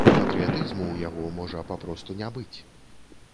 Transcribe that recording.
Патрыятызму ў яго можа папросту не быць!